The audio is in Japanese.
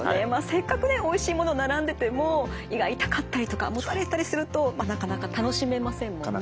せっかくねおいしいもの並んでても胃が痛かったりとかもたれたりするとなかなか楽しめませんもんね。